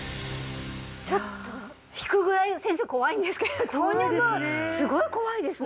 ちょっと引くぐらい先生怖いんですけど怖いですね